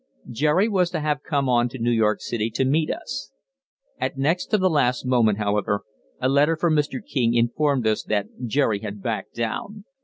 Jerry was to have come on to New York City to meet us. At next to the last moment, however, a letter from Mr. King informed us that Jerry had backed down.